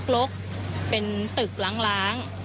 ลกเป็นตึกล้าง